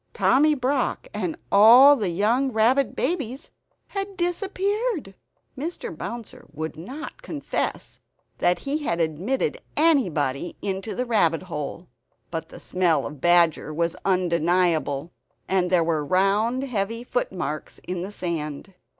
Tommy Brock and all the young rabbit babies had disappeared! Mr. Bouncer would not confess that he had admitted anybody into the rabbit hole. But the smell of badger was undeniable; and there were round heavy footmarks in the sand.